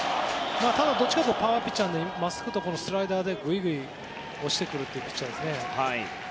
ただ、どちらかというとパワーピッチャーでまっすぐとスライダーでぐいぐい押してくるタイプのピッチャーですね。